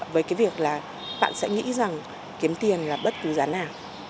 với cái việc là bạn sẽ nghĩ rằng kiếm tiền là bất cứ giá nào